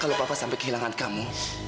kalau papa sampai kehilangan kamu